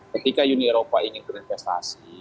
ketika uni eropa ingin berinvestasi